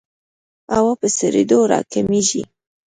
هوا په سړېدو راکمېږي.